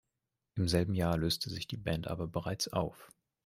Im selben Jahr löste sich die Band aber bereits auf.